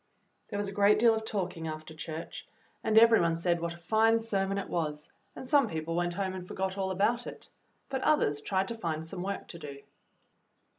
There was a great deal of talking after church, and every one said what a fine sermon it was; and some people went home and forgot all about it, but others tried to find some work to do.